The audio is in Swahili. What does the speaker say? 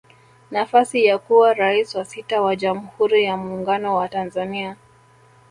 Nafasi ya kuwa Rais wa sita wa jamhuri ya Muungano wa Tanzania